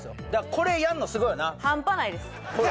これやんのすごいよな？